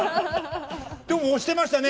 でも、押してましたね